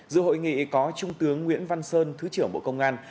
giữa hội nghị có trung tướng nguyễn văn sơn thứ trưởng bộ công an